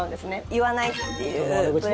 言わないっていう。